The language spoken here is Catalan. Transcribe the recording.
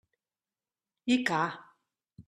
I ca!